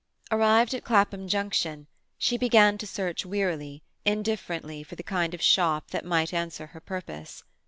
Arrived at Clapham Junction, she began to search wearily, indifferently, for the kind of shop that might answer her purpose.